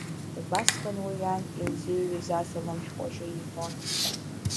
Убасҟан уи иан илзиҩыз асалам шәҟәаҿы иҳәон…